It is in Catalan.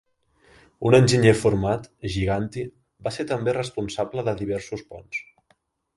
Un enginyer format, Giganti, va ser també responsable de diversos ponts.